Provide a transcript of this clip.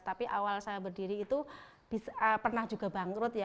tapi awal saya berdiri itu pernah juga bangkrut ya